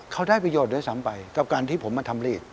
เขาได้ประโยชน์ด้วยซ้ำไปกับการที่ผมมาทำหลีด